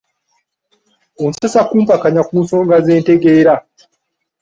Onsesa kumpakanya ku nsonga ze ntegeera.